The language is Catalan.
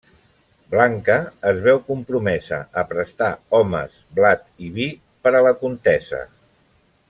Blanca es veu compromesa a prestar homes, blat i vi per a la contesa.